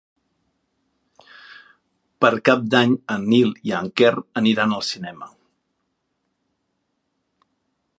Per Cap d'Any en Nil i en Quer aniran al cinema.